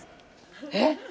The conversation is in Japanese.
えっ！？